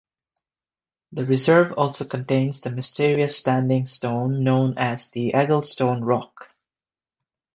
The reserve also contains the mysterious standing stone known as the Agglestone Rock.